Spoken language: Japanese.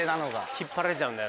引っ張られちゃうんだよね。